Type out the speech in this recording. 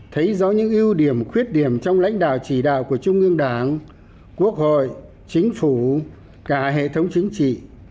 thấy rõ những ưu điểm khuyết điểm trong lãnh đạo chỉ đạo của trung ương đảng quốc hội chính phủ cả hệ thống chính trị